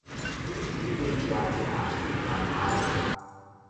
伊對食這項真甘開